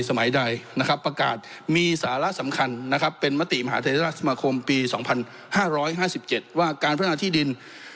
ผมก็ไม่ทราบประกาศในสมัยใดถามอภัยในการประสานที่ดิน